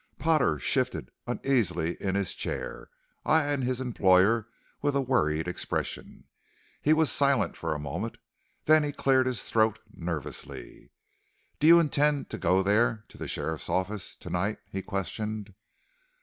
Potter shifted uneasily in his chair, eyeing his employer with a worried expression. He was silent for a moment. Then he cleared his throat nervously. "Do you intend to go there to the sheriff's office to night?" he questioned.